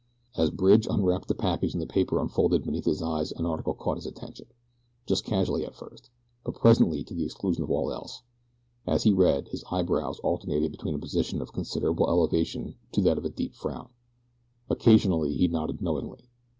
As Bridge unwrapped the package and the paper unfolded beneath his eyes an article caught his attention just casually at first; but presently to the exclusion of all else. As he read his eyebrows alternated between a position of considerable elevation to that of a deep frown. Occasionally he nodded knowingly.